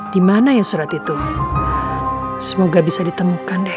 di mana ya surat itu semoga bisa ditemukan deh